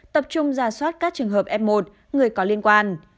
tập trung ra soát các trường hợp f một người có liên quan